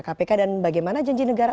kpk dan bagaimana janji negara